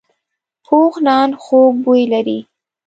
پوخ نان خوږ بوی لري